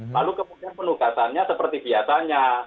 lalu kemudian penugasannya seperti biasanya